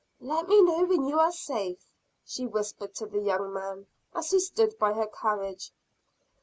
"Let me know when you are safe," she whispered to the young man, as he stood by her carriage.